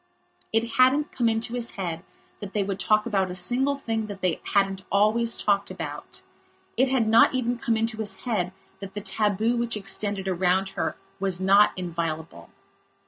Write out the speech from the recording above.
It hadn't come into his head that they would talk about a single thing that they hadn't always talked about; it had not even come into his head that the tabu which extended around her was not inviolable.